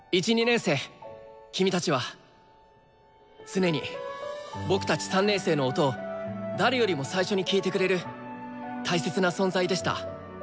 君たちは常に僕たち３年生の音を誰よりも最初に聴いてくれる大切な存在でした。